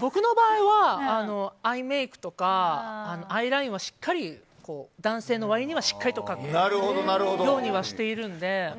僕の場合は、アイメイクとかアイラインは男性の割にしっかりと描くようにはしているので。